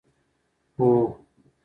هو.